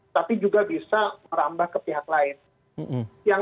tapi juga bisa merambah ke pihak lain